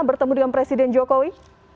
bertemu dengan presiden jokowi